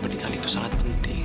pernikahan itu sangat penting